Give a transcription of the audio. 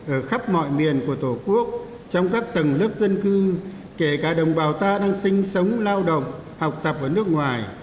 ở khắp mọi miền của tổ quốc trong các tầng lớp dân cư kể cả đồng bào ta đang sinh sống lao động học tập ở nước ngoài